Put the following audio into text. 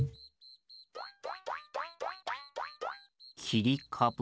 きりかぶ？